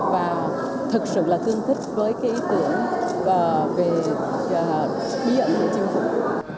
và thật sự là tương thích với cái ý tưởng về bí ẩn của chim phụng